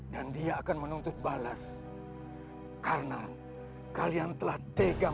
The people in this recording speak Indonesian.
dan dia kebingungan dengan keindihannya